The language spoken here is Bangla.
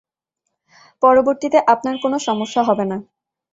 পরবর্তীতে আপনার কোনো সমস্যা হবে না।